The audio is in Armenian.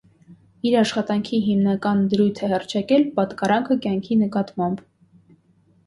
Իր աշխարհայացքի հիմնական դրույթ է հռչակել «պատկառանքը կյանքի նկատմամբ»։